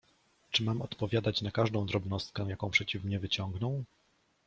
— Czy mam odpowiadać na każdą drobnostkę, jaką przeciw mnie wyciągną?